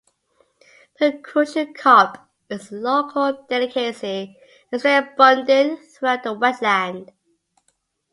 The crucian carp is a local delicacy and is very abundant throughout the wetland.